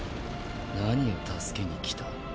何を助けに来た？